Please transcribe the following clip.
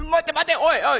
おいおい！